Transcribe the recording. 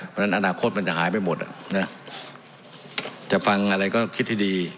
เพราะฉะนั้นอนาคตมันจะหายไปหมดจะฟังอะไรก็คิดให้ดี